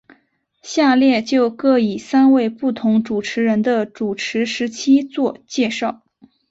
下列就各以三位不同主持人的主持时期做介绍。